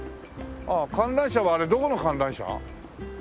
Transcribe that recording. ああ観覧車はあれどこの観覧車？